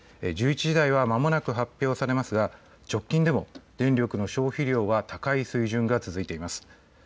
１１時台はまもなく発表されますが直近でも電力の消費量は高い水準が続いています。